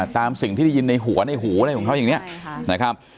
ตามสิ่งที่ได้ยินในหัวในหูอะไรของเขาอย่างนี้นะครับ